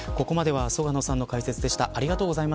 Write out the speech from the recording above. ここまでは曽我野さんの解説でした。